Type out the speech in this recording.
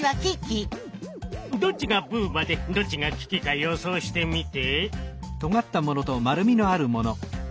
どっちがブーバでどっちがキキか予想してみて。